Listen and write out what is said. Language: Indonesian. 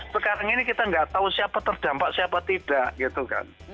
sekarang ini kita nggak tahu siapa terdampak siapa tidak gitu kan